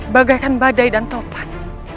bagaikan badai dan topan